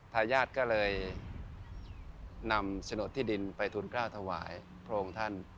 ทายาทก็เลยนำโฉนดที่ดินไปทุนกล้าวถวายพระองค์ท่าน